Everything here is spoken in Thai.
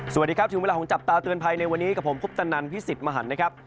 สวัสดีครับถึงเวลาของจับตาเตือนภัยในวันนี้กับผมคุปตนันพี่สิทธิ์มหันนะครับ